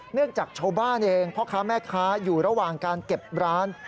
จากชาวบ้านเองพ่อค้าแม่ค้าอยู่ระหว่างการเก็บร้าน